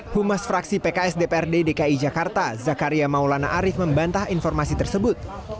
humas fraksi pks dprd dki jakarta zakaria maulana arief membantah informasi tersebut